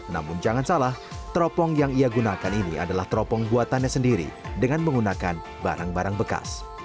namun jangan salah teropong yang ia gunakan ini adalah teropong buatannya sendiri dengan menggunakan barang barang bekas